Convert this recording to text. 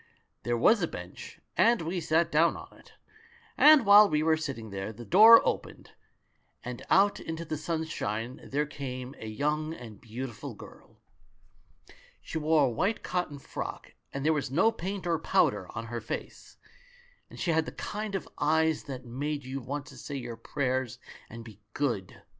"There was a bench, and we sat down on it; and while we were sitting there, the door opened — and out into the sunshine there came a young and beautiful girl. She wore a white cotton frock, and there was no paint or powder on her face, and she had the kind of eyes that make you want to say your prayers and be good.